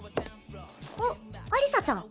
おっアリサちゃん。